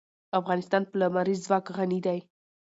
افغانستان په لمریز ځواک غني دی.